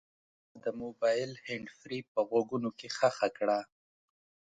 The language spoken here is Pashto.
ما د موبایل هینډفري په غوږونو کې ښخه کړه.